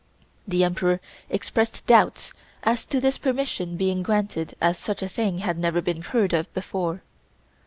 The Emperor expressed doubts as to this permission being granted as such a thing had never been heard of before.